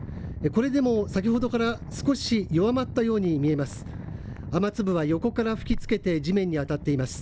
これでも先ほどから少し弱まったように見えます。